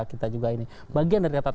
kita juga ini bagaimana